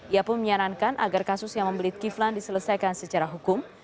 ia pun menyarankan agar kasus yang membelit kiflan diselesaikan secara hukum